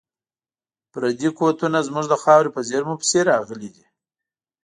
پردي قوتونه زموږ د خاورې په زیرمو پسې راغلي دي.